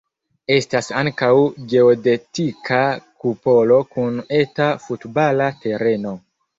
Estas ankaŭ geodetika kupolo kun eta futbala tereno.